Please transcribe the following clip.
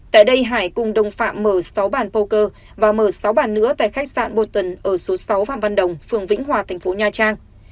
tại đây hải cùng đồng phạm mở sáu bàn pô và mở sáu bàn nữa tại khách sạn boton ở số sáu phạm văn đồng phường vĩnh hòa thành phố nha trang